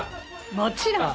もちろん。